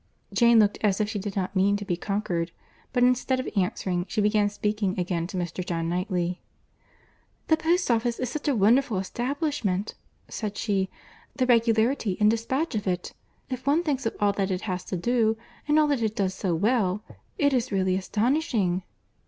Jane looked as if she did not mean to be conquered; but instead of answering, she began speaking again to Mr. John Knightley. "The post office is a wonderful establishment!" said she.—"The regularity and despatch of it! If one thinks of all that it has to do, and all that it does so well, it is really astonishing!"